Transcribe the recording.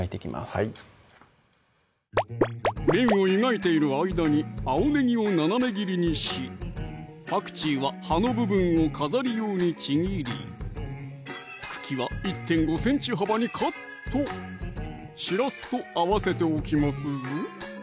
はい麺を湯がいている間に青ねぎを斜め切りにしパクチーは葉の部分を飾り用にちぎり茎は１．５ｃｍ幅にカットしらすと合わせておきますぞ